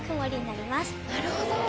なるほど。